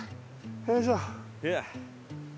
よいしょ。